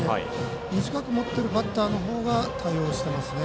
短く持っているバッターの方が対応していますね。